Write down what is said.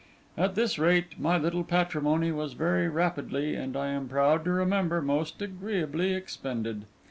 At this rate, my little patrimony was very rapidly, and I am proud to remember, most agreeably expended.